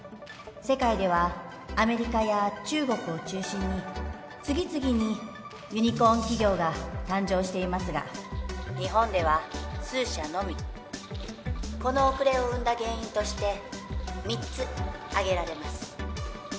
世界ではアメリカや中国を中心に次々にユニコーン企業が誕生していますが日本では数社のみこのおくれを生んだ原因として３つあげられます